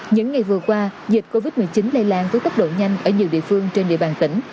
những ngày vừa qua dịch covid một mươi chín lây lan với tốc độ nhanh ở nhiều địa phương trên địa bàn tỉnh